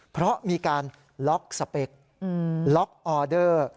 เพราะมีการล็อกสเปคล็อกออเดอร์